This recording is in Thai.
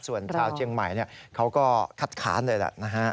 ส่วนชาวเชียงใหม่เขาก็คัดค้านเลยแหละนะฮะ